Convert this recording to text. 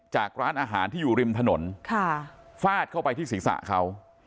ร้านอาหารที่อยู่ริมถนนฟาดเข้าไปที่ศีรษะเขา